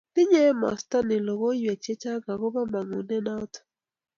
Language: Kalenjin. tinyei emostoo ni lokoywek chechang akopo mangunet noto